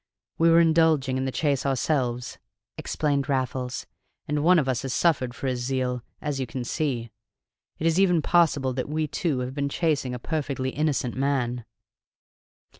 "We were indulging in the chase ourselves," explained Raffles, "and one of us has suffered for his zeal, as you can see. It is even possible that we, too, have been chasing a perfectly innocent man."